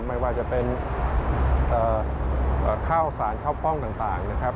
ไม่ว่าจะเป็นข้าวสารข้าวป้องต่างนะครับ